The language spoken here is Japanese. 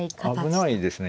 危ないですね。